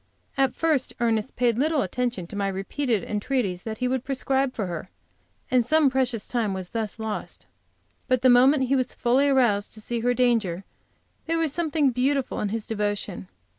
At first Ernest paid little attention to my repeated entreaties that he would prescribe for her, and some precious time was thus lost. But the moment he was fully aroused to see her danger, there was something beautiful in his devotion.